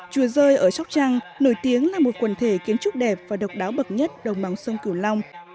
chùa rơi ở sóc trăng nổi tiếng là một quần thể kiến trúc đẹp và độc đáo bậc nhất đồng bằng sông cửu long